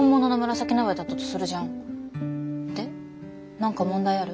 何か問題ある？